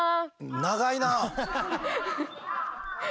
長いな。